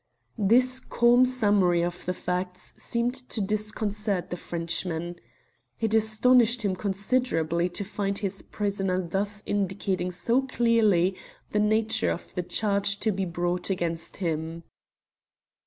This calm summary of the facts seemed to disconcert the Frenchman. It astonished him considerably to find his prisoner thus indicating so clearly the nature of the charge to be brought against him.